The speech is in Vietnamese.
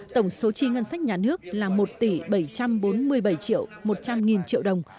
tổng số chi ngân sách nhà nước là một tỷ bảy trăm bốn mươi bảy triệu một trăm linh nghìn triệu đồng